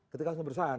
ketika hukum perusahaan